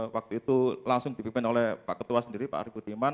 waktu itu langsung dipimpin oleh pak ketua sendiri pak arief budiman